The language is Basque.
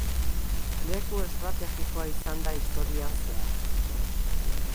Leku estrategikoa izan da historian zehar.